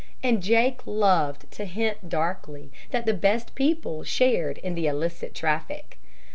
And Jake loved to hint darkly that the best people shared in the illicit traffic.